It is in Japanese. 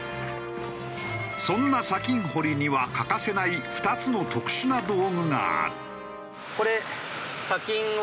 そんな砂金掘りには欠かせない２つの特殊な道具がある。